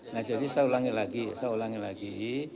nah jadi saya ulangi lagi saya ulangi lagi